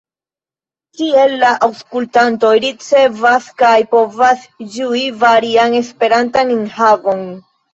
Tiel la aŭskultantoj ricevas kaj povas ĝui varian Esperantan enhavon.